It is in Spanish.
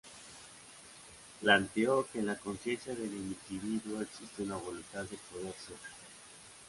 Planteó que en la conciencia del individuo existe una voluntad de poder ser.